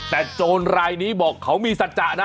แต่โจรรายนี้บอกเขามีสัจจะนะ